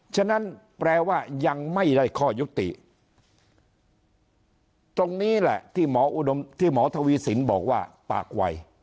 ฉะนั้นแปลว่ายังไม่ได้ข้อยุติตรงนี้แหละที่หมออุดมที่หมอทวีสินบอกว่าปากวัย